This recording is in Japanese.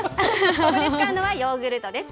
ここで使うのはヨーグルトです。